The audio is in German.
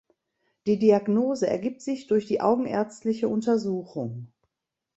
Die Diagnose ergibt sich durch die augenärztliche Untersuchung.